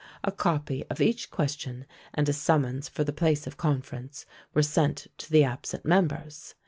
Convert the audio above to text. A copy of each question and a summons for the place of conference were sent to the absent members.